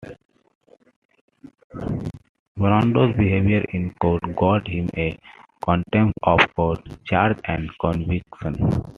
Brando's behavior in court got him a contempt of court charge and conviction.